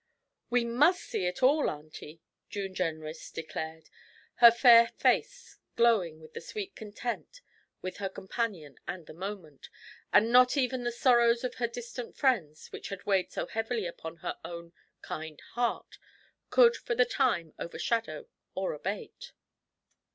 'We must see it all, auntie,' June Jenrys declared, her fair face glowing with the sweet content with her companion and the moment, that not even the sorrows of her distant friends, which had weighed so heavily upon her own kind heart, could for the time overshadow or abate.